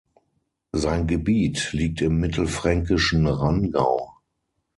Sein Gebiet liegt im mittelfränkischen Rangau.